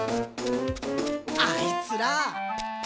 あいつら！